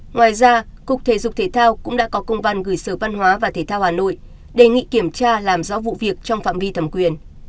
ngoài ra cục thể dục thể thao cũng đã có công văn gửi sở văn hóa và thể thao hà nội đề nghị kiểm tra làm rõ vụ việc trong phạm vi thẩm quyền